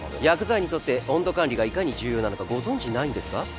薬剤にとって温度管理がいかに重要なのかご存じないんですか？